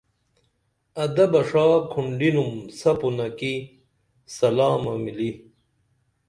ادبہ ݜا کھنڈینُم سپُنہ کی سلامہ مِلی